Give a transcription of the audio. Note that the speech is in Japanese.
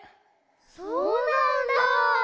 そうなんだ。